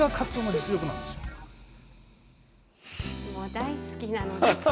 大好きなんです。